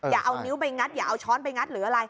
อย่าเอานิ้วไปงัดอย่าเอาช้อนไปงัดหรืออะไร